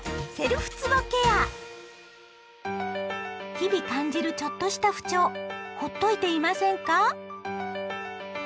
日々感じるちょっとした不調ほっといていませんか？